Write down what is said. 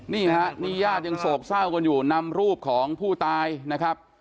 นี่ฮะนี่ญาติยังโศกเศร้ากันอยู่นำรูปของผู้ตายนะครับ